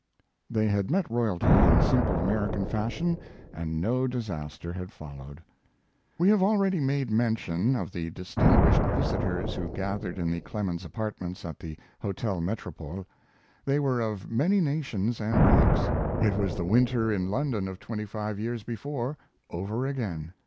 They had met royalty in simple American fashion and no disaster had followed. We have already made mention of the distinguished visitors who gathered in the Clemens apartments at the Hotel Metropole. They were of many nations and ranks. It was the winter in London of twenty five years before over again.